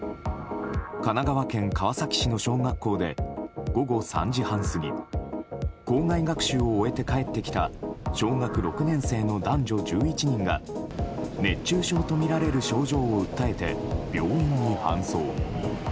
神奈川県川崎市の小学校で午後３時半過ぎ校外学習を終えて帰ってきた小学６年生の男女１１人が熱中症とみられる症状を訴えて病院に搬送。